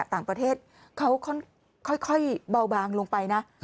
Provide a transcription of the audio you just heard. ต่างประเทศเขาค่อยเบาบางลงไปนะ